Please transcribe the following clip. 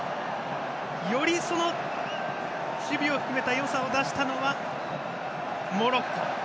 より、その守備を含めたよさを出したのはモロッコ。